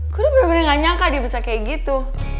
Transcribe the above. gue bener bener gak nyangka dia bisa kayak gitu